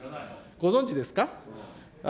ご存じですか。